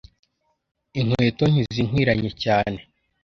Inkweto ntizinkwiranye cyane